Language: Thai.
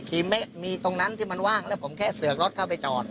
คือไม่มีตรงนั้นที่มันว่างแล้วผมแค่เสือกรถเข้าไปจอด